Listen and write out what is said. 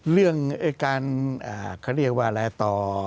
เรื่องการเขาเรียกว่าอะไรต่อ